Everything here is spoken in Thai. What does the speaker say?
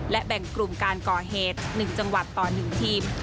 และแบ่งกลุ่มการก่อเหตุ๑จังหวัดต่อ๑ทีม